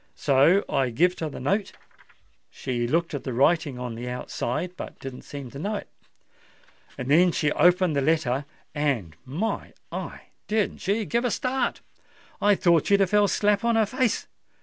So I gived her the note: she looked at the writing on the outside, but didn't seem to know it. Then she opened the letter—and, my eye! didn't she give a start? I thought she'd have fell slap on her face.